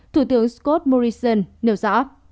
thủ tướng scott morrison nêu rõ